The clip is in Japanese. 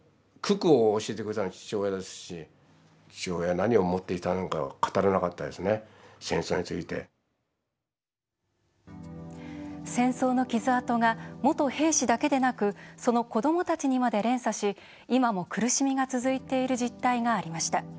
なぜ、こうなってしまったのか戦争の傷痕が元兵士だけでなくその子どもたちにまで連鎖し今も苦しみが続いている実態がありました。